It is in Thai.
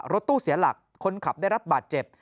รถตู้เสียหลักคนขับได้รับบาดเจ็บ